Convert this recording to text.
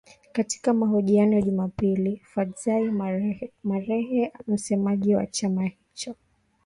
Katika mahojiano ya Jumapili, Fadzayi Mahere, msemaji wa chama hicho